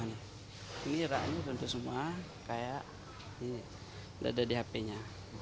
ini raknya tentu semua kayak nggak ada di hp nya